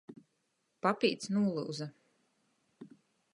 Papīds nūlyuza.